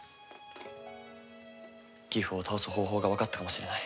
ギフを倒す方法がわかったかもしれない。